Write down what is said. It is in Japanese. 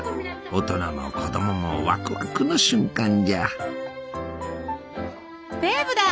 大人も子供もワクワクの瞬間じゃ。